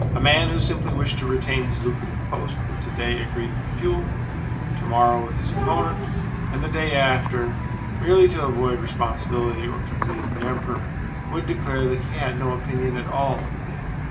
A man who simply wished to retain his lucrative post would today agree with Pfuel, tomorrow with his opponent, and the day after, merely to avoid responsibility or to please the Emperor, would declare that he had no opinion at all on the matter.